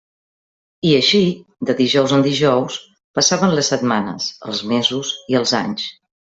I així, de dijous en dijous, passàvem les setmanes, els mesos i els anys.